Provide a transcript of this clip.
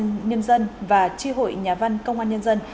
công an nhân dân và tri hội nhà văn công an nhân dân